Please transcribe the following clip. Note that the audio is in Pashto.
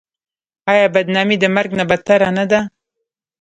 آیا بدنامي د مرګ نه بدتره نه ده؟